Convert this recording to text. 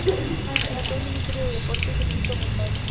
El actual Ministro de Deportes es Tito Montaño.